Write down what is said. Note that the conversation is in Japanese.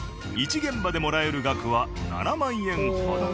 １現場でもらえる額は７万円ほど。